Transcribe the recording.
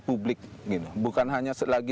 publik bukan hanya lagi